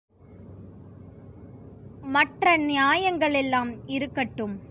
மற்ற நியாயங்களெல்லாம் இருக்கட்டும்.